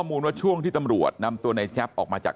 ลูกสาวหลายครั้งแล้วว่าไม่ได้คุยกับแจ๊บเลยลองฟังนะคะ